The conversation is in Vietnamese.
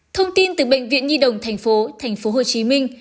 thông tin từ bệnh viện nhi đồng thành phố thành phố hồ chí minh